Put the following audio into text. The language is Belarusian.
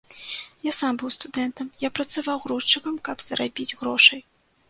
Я сам быў студэнтам, я працаваў грузчыкам, каб зарабіць грошай.